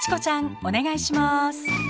お願いします。